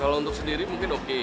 kalau untuk sendiri mungkin oke